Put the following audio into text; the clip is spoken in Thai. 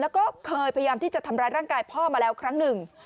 แล้วก็เคยพยายามที่จะทำร้ายร่างกายพ่อมาแล้วครั้งหนึ่ง